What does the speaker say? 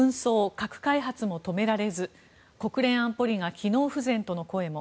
・核開発も止められず国連安保理が機能不全との声も。